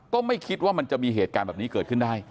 ก็ไม่คิดว่ามันจะมีเหตุการณ์แบบนี้เกิดขึ้นได้